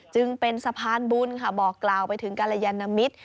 จึงเป็นสะพานบุญค่ะบอกกล่าวไปถึงกรยานมิตร